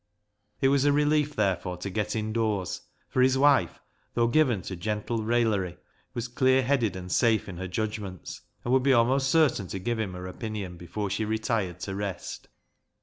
It was a relief, therefore, to get indoors, for his wife, though given to gentle raillery, was clear headed and safe in her judgments, and would be almost certain to give him her opinion before she retired to rest.